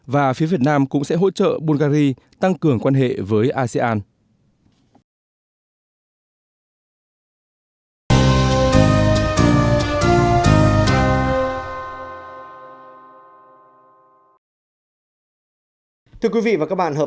và phía việt nam cũng sẽ hỗ trợ bungary tăng cường quan hệ với asean